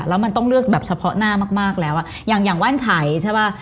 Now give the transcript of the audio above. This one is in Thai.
แล้วมันต้องเลือกแบบเฉพาะหน้ามากแล้วอ่ะอย่างอย่างว่านไฉใช่ป่ะ